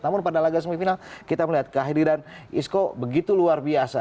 namun pada laga semifinal kita melihat kehadiran isco begitu luar biasa